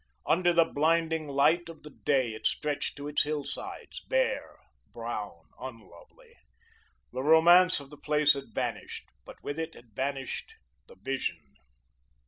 Under the blinding light of the day it stretched to its hillsides, bare, brown, unlovely. The romance of the place had vanished, but with it had vanished the Vision.